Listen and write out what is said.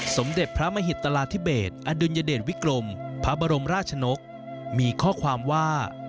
สมเด็จพระมหิตราธิเบสอดุลยเดชวิกรมพระบรมราชนกมีข้อความว่า